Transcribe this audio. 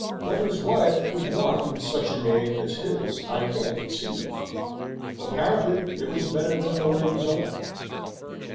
What his wife could want with such a name as his I can't conceive." "Apparently, it was better than the lady's own."